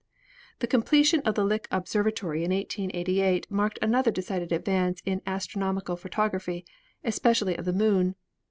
"The completion of the Lick Observatory in 1888 marked another decided advance in astronomical photography, es pecially of the Moon.